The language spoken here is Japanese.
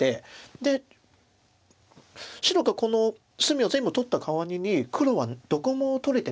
で白がこの隅を全部取ったかわりに黒はどこも取れてないんですよね。